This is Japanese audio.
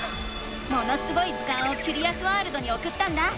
「ものすごい図鑑」をキュリアスワールドにおくったんだ。